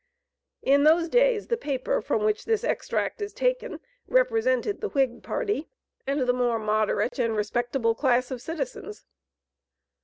In those days, the paper from which this extract is taken, represented the Whig party and the more moderate and respectable class of citizens.